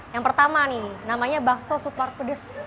yang pertama nih namanya bakso super pedes